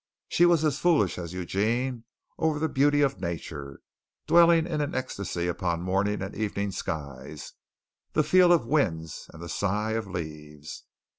She was as foolish as Eugene over the beauty of nature, dwelling in an ecstasy upon morning and evening skies, the feel of winds and the sigh of leaves.